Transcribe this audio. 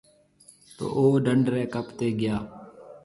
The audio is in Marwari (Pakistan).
تو او ڊنڍ رَي ڪپ تي گيا۔